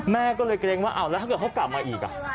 แม่ก็เลยเกรงว่าอ้าวแล้วถ้าเกิดเขากลับมาอีก